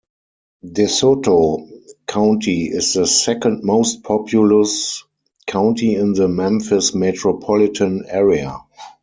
DeSoto County is the second-most-populous county in the Memphis metropolitan area.